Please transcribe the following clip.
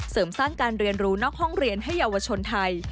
เสริมสร้างการเรียนรู้นอกห้องเรียนให้เยาวชนไทย